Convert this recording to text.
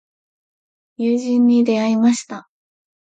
友人に出会いました。